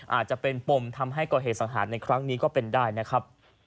อาจจะเป็นปมทำให้ก่อเหตุสังหารในครั้งนี้ก็เป็นได้นะครับ